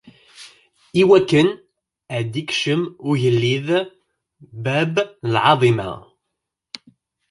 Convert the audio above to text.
Iwakken ad ikcem ugellid, bab n lɛaḍima!